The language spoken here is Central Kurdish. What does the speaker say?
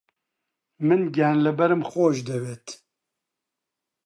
من گیانلەبەرم خۆش دەوێت.